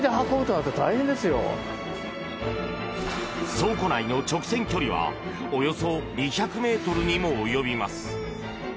倉庫内の直線距離はおよそ２００ｍにも及びます。